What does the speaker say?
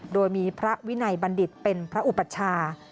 โดยมีพระวินัยบัณฑิตเป็นพระอุปัชชา